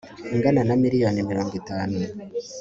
ingana na miliyoni mirongo itanu